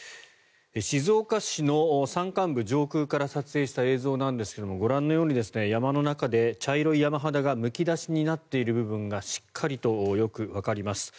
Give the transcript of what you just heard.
静岡市の山間部上空から撮影した映像なんですがご覧のように山の中で茶色い山肌がむき出しになっている部分がしっかりとよくわかります。